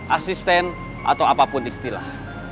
asisten atau apapun istilah